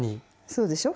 そうでしょ。